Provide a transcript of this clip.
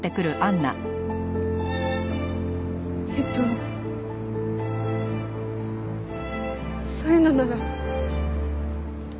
えっとそういうのならやめます。